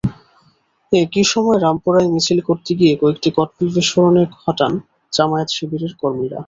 একই সময় রামপুরায় মিছিল করতে গিয়ে কয়েকটি ককটেলের বিস্ফোরণ ঘটান জামায়াত-শিবিরের কর্মীরা।